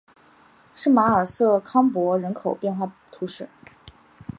圣马尔瑟康珀人口变化图示